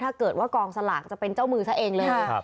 ถ้าเกิดว่ากองสลากจะเป็นเจ้ามือซะเองเลย